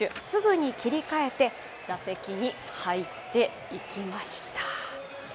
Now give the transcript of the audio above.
すぐに切り替えて打席に入っていきました。